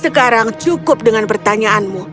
sekarang cukup dengan pertanyaanmu